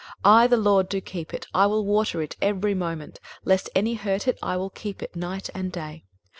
23:027:003 I the LORD do keep it; I will water it every moment: lest any hurt it, I will keep it night and day.